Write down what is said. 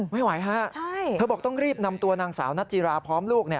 ไม่ไหวฮะเธอบอกต้องรีบนำตัวนางสาวนัทจิราพร้อมลูก